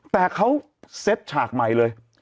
แต่เขาเซ็ตฉากใหม่เลย